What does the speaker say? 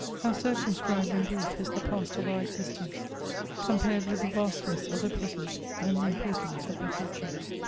How circumscribed and brief is the past of our existence, compared with the vastness of the present, and the importance of the ^ture